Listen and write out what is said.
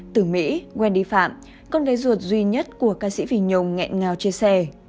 từ mỹ wendy phạm con gái ruột duy nhất của ca sĩ phi nhung nghẹn ngào chia sẻ